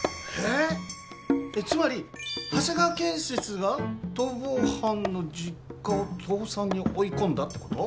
えっつまり長谷川建設が逃亡犯の実家を倒産に追い込んだってこと？